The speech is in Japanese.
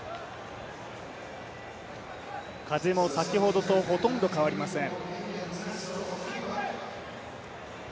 風も先ほどとほとんど変わりません。